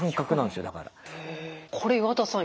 これ岩田さん